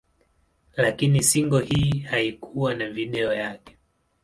Lakini single hii haikuwa na video yake.